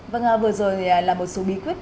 vâng vừa rồi là một số bí quyết